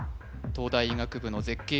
東大医学部の絶景